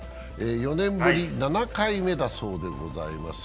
４年ぶり７回目だそうでございます。